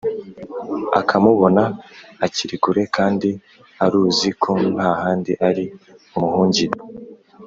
akamubona akiri kure kandi aruzi ko nta handi ari bumuhungire,